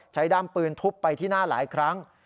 ด้ามปืนทุบไปที่หน้าหลายครั้ง